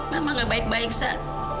mama gak baik baik saat